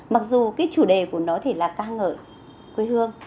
mặc dù cái chủ đề của nó thì là ca ngợi quê hương